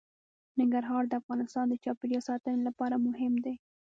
ننګرهار د افغانستان د چاپیریال ساتنې لپاره مهم دي.